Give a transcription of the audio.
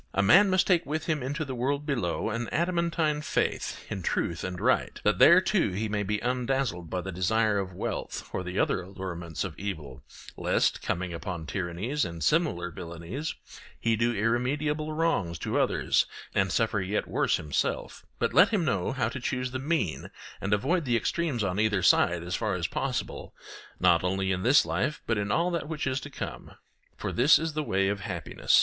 A man must take with him into the world below an adamantine faith in truth and right, that there too he may be undazzled by the desire of wealth or the other allurements of evil, lest, coming upon tyrannies and similar villainies, he do irremediable wrongs to others and suffer yet worse himself; but let him know how to choose the mean and avoid the extremes on either side, as far as possible, not only in this life but in all that which is to come. For this is the way of happiness.